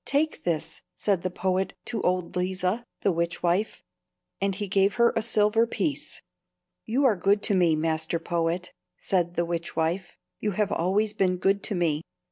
"Take this," said the poet to old Leeza, the witchwife; and he gave her a silver piece. "You are good to me, master poet," said the witchwife. "You have always been good to me.